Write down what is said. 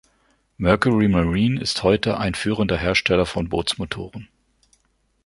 Mercury Marine ist heute ein führender Hersteller von Bootsmotoren.